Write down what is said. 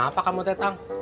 kenapa kamu tetang